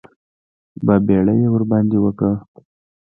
بابېړي یې ورباندې وکړ.